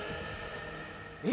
え？